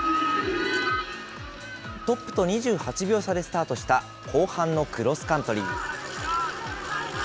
トップと２８秒差でスタートした後半のクロスカントリー。